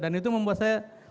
dan itu membuat saya